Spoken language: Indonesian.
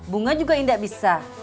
bunga juga ndak bisa